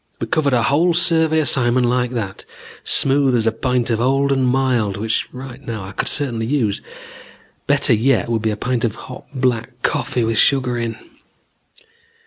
We covered our whole survey assignment like that, smooth as a pint of old and mild which right now I could certainly use. Better yet would be a pint of hot black coffee with sugar in.